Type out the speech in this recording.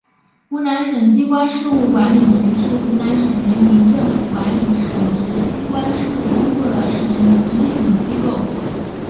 湖南省机关事务管理局是湖南省人民政府管理省直机关事务工作的省直属机构。